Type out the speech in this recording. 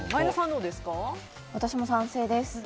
私も賛成です。